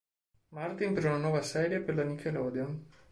Martin per una nuova serie per la Nickelodeon.